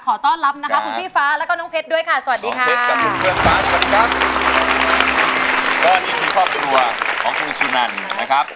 ก็อันนี้คือครอบครัวของคุณชุนันนะครับ